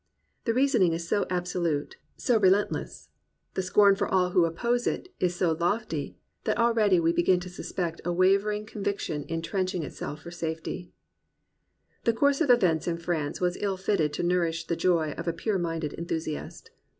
The reasoning is so absolute, so 197 COMPANIONABLE BOOKS relentless, the scorn for all who oppose it is so lofty, that already we begin to suspect a wavering con viction intrenching itself for safety. The course of events in France was ill fitted to nourish the joy of a pure minded enthusiast.